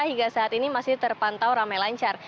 hingga saat ini masih terpantau ramai lancar